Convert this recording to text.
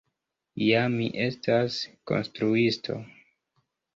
Ja, mi estas konstruisto.